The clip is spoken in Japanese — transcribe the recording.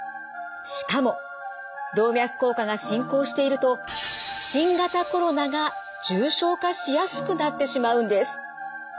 しかも動脈硬化が進行していると新型コロナが重症化しやすくなってしまうんです。